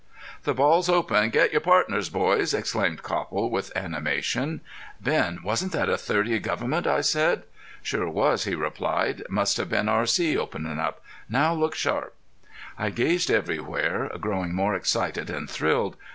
"The ball's open! Get your pardners, boys," exclaimed Copple, with animation. "Ben, wasn't that a.30 Gov't?" I asked. "Sure was," he replied. "Must have been R.C. openin' up. Now look sharp!" I gazed everywhere, growing more excited and thrilled.